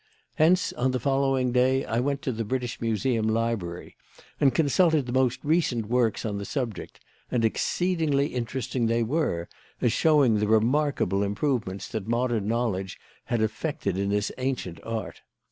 Hence, on the following day, I went to the British Museum library and consulted the most recent works on the subject; and exceedingly interesting they were, as showing the remarkable improvements that modern knowledge had effected in this ancient art.